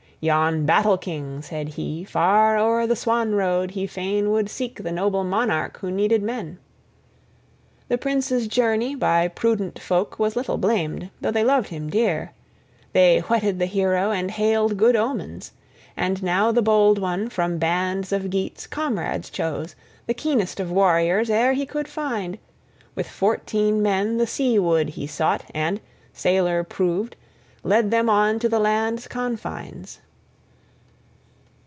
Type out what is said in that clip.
Yon battle king, said he, far o'er the swan road he fain would seek, the noble monarch who needed men! The prince's journey by prudent folk was little blamed, though they loved him dear; they whetted the hero, and hailed good omens. And now the bold one from bands of Geats comrades chose, the keenest of warriors e'er he could find; with fourteen men the sea wood {3a} he sought, and, sailor proved, led them on to the land's confines.